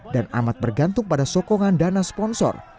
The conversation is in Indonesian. dan amat bergantung pada sokongan dana sponsor